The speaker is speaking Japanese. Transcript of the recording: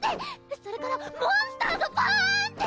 それからモンスターがバーンって！